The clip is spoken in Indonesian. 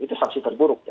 itu sanksi terburuk